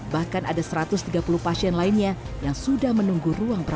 bahkan ada satu ratus tiga puluh pasien lainnya yang sudah menunggu ruang perawatan